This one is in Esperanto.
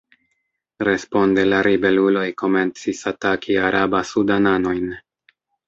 Responde la ribeluloj komencis ataki araba-sudananojn.